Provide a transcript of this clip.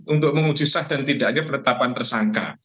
untuk menguji sah dan tidaknya penetapan tersangka